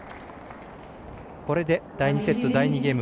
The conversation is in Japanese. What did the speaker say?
これで第２セット第２ゲーム。